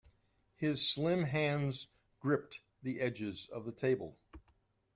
His slim hands gripped the edges of the table.